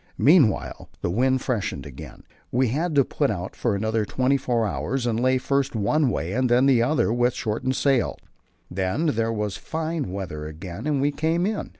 Meanwhile the wind freshened again; we had to put out for another twenty four hours and lay first one way and then the other with shortened sail; then there was fine weather again and we came in.